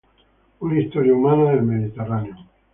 Una historia humana del Mediterráneo".